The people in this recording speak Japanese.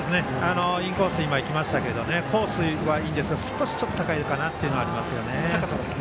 インコースに行きましたがコースはいいんですけど少しちょっと高いかなというのがあります。